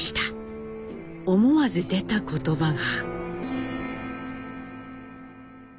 思わず出た言葉が。